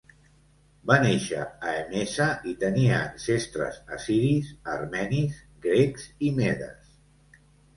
Va néixer a Emesa i tenia ancestres assiris, armenis, grecs i medes.